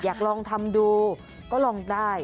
อยากลองทำดูก็ลองได้